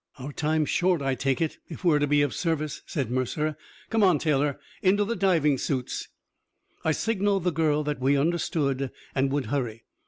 "Our time's short, I take it, if we are to be of service," said Mercer. "Come on, Taylor; into the diving suits!" I signaled the girl that we understood, and would hurry.